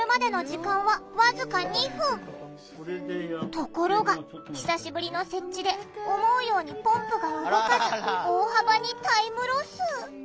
ところが久しぶりの設置で思うようにポンプが動かず大幅にタイムロス。